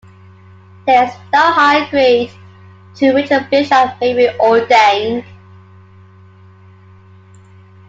There is no higher grade to which a bishop may be ordained.